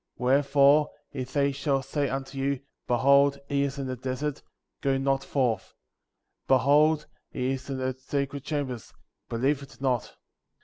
25. Wherefore, if they shall say unto you: Behold, he is in the desert ; go not forth ; Behold, he is in the secret chambers; believe it not; 26.